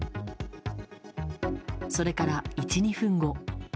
それから１２分後。